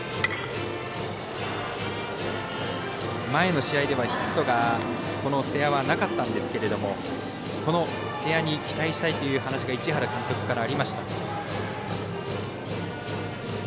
前の試合ではヒットがこの瀬谷はなかったんですけど瀬谷に期待したいという話が市原監督からありました。